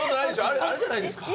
あるじゃないですか。